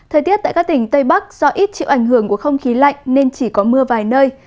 thời tiết tại các tỉnh tây bắc do ít chịu ảnh hưởng của không khí lạnh nên chỉ có mưa vài nơi